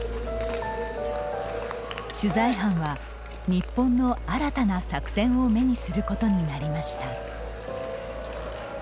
取材班は、日本の新たな作戦を目にすることになりました。